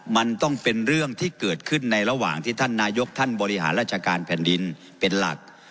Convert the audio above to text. มันต้องเป็นเรื่องที่เกิดขึ้นในระหว่างที่ท่านนายกท่านบริหารราชการแผ่นดินเป็นหลัก